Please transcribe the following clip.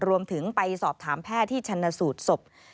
รวมถึงไปสอบถามแพทย์ที่ชันสูตรศพ